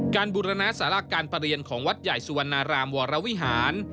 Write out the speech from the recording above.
การบูรณาศาลาการพเรียนของวัฒนาวรวิหาร